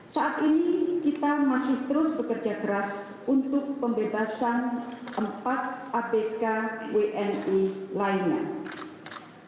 saat ini kita masih terus bekerja keras untuk pembebasan empat abk wni lainnya